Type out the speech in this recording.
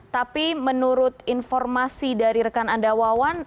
tapi menurut informasi dari rekan anda wawan